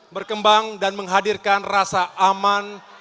berkembang dan menghadirkan rasa aman